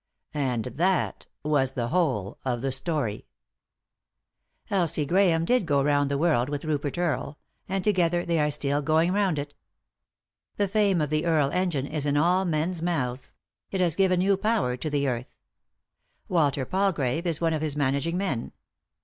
... And that was the whole of the story. Elsie Grahame did go round the world with Rupert Earle ; and, together, they are still going round it The fame of the Earle engine is in all men's mouths ; it has given new power to the earth. Walter Palgrave is one of his managing men.